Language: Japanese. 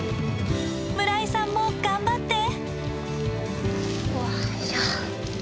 村井さんも頑張って！